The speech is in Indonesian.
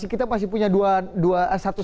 kita pasti punya dua satu satu